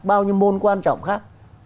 bao nhiêu môn quan trọng khác